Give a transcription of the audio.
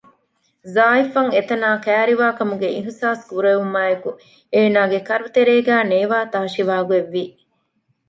ޒާއިފް އަށް އެތަނާ ކައިރިވާކަމުގެ އިހްސާސް ކުރެވުމާއި އެކު އޭނާގެ ކަރުތެރޭގައި ނޭވާ ތާށިވާ ގޮތްވި